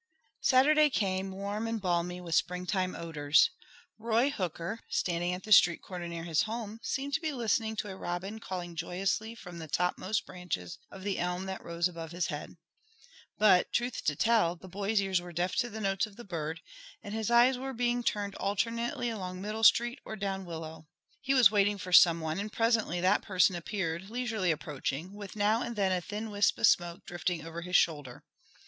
Saturday came, warm and balmy with springtime odors. Roy Hooker, standing at the street corner near his home, seemed to be listening to a robin calling joyously from the topmost branches of the elm that rose above his head; but, truth to tell, the boy's ears were deaf to the notes of the bird, and his eyes were being turned alternately along Middle Street or down Willow. He was waiting for some one, and presently that person appeared, leisurely approaching, with now and then a thin wisp of smoke drifting over his shoulder.